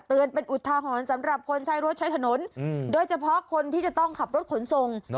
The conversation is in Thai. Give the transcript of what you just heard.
เตือนเป็นอุทธาของมันสำหรับคนใช้รถใช้ถนนโดยเฉพาะคนที่จะต้องขับรถขนทรง